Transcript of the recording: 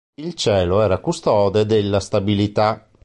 Il cielo era custode della stabilità.